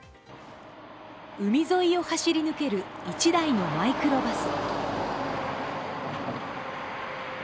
海沿いを走り抜ける１台のマイクロバス。